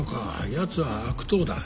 やつは悪党だ。